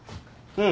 うん。